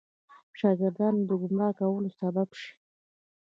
شاګردانو د ګمراه کولو سبب شي.